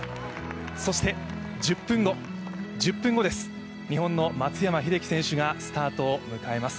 そして１０分後、日本の松山英樹選手がスタートを迎えます。